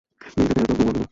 মেয়ে-জাতের এত গুমর কেন?